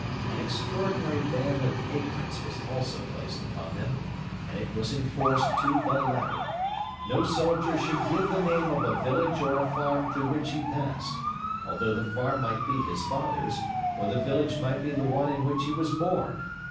An extraordinary ban of ignorance was also placed upon them, and it was enforced to the letter. No soldier should give the name of a village or a farm through which he passed, although the farm might be his father's, or the village might be the one in which he was born.